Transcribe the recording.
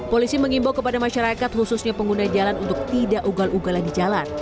polisi mengimbau kepada masyarakat khususnya pengguna jalan untuk tidak ugal ugalan di jalan